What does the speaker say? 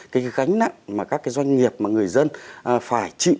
cái gánh nặng mà các cái doanh nghiệp người dân phải trị